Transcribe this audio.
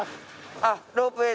あっロープウェイ